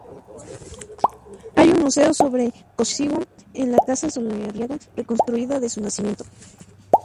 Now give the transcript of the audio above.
Hay un museo sobre Kościuszko en la casa solariega reconstruida de su nacimiento.